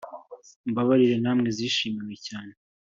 Umbabarire mawe zishimiwe cyane